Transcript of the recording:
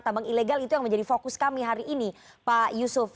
tambang ilegal itu yang menjadi fokus kami hari ini pak yusuf